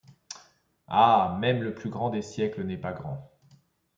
Ah ! même le plus grand des siècles n'est pas grand